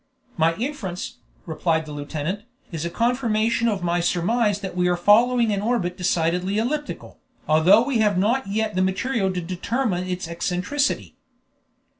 "My inference," replied the lieutenant, "is a confirmation of my surmise that we are following an orbit decidedly elliptical, although we have not yet the material to determine its eccentricity."